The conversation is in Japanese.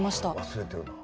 忘れてるな。